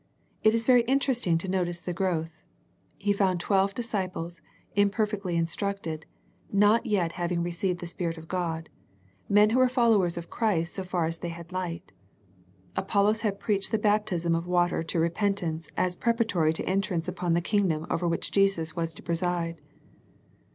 It is very interesting to notice the growth. He found twelve disciples, imperfectly instructed, not yet having received the Spirit of God, men who were followers of Christ so far as they had light. Apollos had preached the baptism of water to repentance as preparatory to entrance upon the Kingdom over which Jesus was to preside.